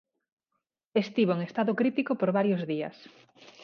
Estivo en estado crítico por varios días.